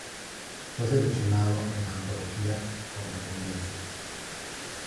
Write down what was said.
Fue seleccionado en la antología "Correspondencias.